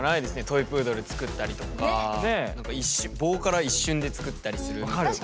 トイプードル作ったりとか何か一瞬棒から一瞬で作ったりするみたいな。